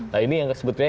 nah ini yang sebetulnya